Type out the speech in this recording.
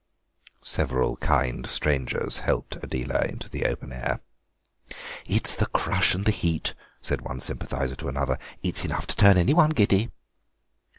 Several kind strangers helped Adela into the open air. "It's the crush and the heat," said one sympathiser to another; "it's enough to turn anyone giddy."